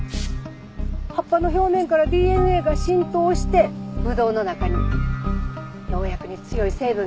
葉っぱの表面からＤＮＡが浸透してぶどうの中に農薬に強い成分ができるんです。